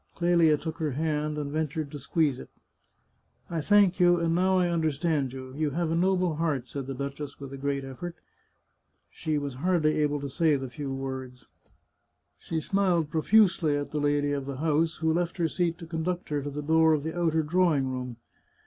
Clelia took her hand, and ventured to squeeze it. " I thank you, and now I understand you. ... You have a noble heart," said the duchess with a great effort. She was hardly able to say the few words. She smiled pro fusely at the lady of the house, who left her seat to con duct her to the door of the outer drawing room.